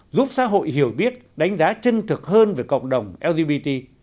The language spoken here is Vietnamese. giúp xã hội hiểu biết đánh giá chân thực hơn về cộng đồng lgbt